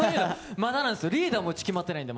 まだなんですよ、リーダーもまだうち決まってないんで。